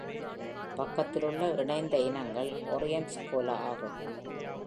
"பக்கத்திலுள்ள இணைந்த இனங்கள்" Orion's Cola ஆகும்".